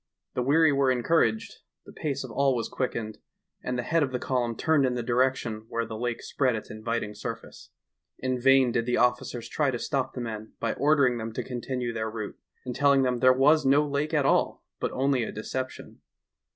The weary were encouraged, the pace of all was quickened and the head of the column turned in the direction where the lake spread its inviting surface. In vain did the officers try to stop the men by ordering them to continue their route, and telling them there was no lake at all but only a deception.